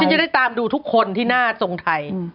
จะได้ตามดูทุกคนที่หน้าทรงไทย